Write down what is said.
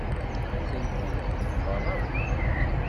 Atenti deg uɣerrabu.